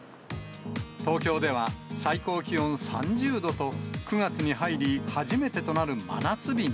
東京では最高気温３０度と、９月に入り初めてとなる真夏日に。